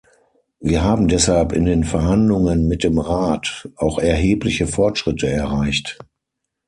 Wir haben deshalb in den Verhandlungen mit dem Rat auch erhebliche Fortschritte erreicht.